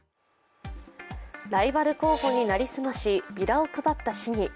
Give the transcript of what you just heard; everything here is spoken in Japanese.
ライバル候補に成り済まし、ビラを配った市議。